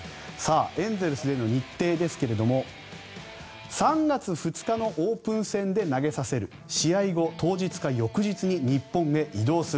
エンゼルスでの日程ですが３月２日のオープン戦で投げさせる試合後、当日か翌日に日本へ移動する。